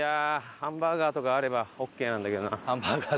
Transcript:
ハンバーガーとかあればオーケーなんだけどな。